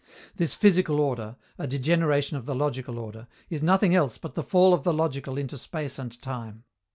This physical order a degeneration of the logical order is nothing else but the fall of the logical into space and time.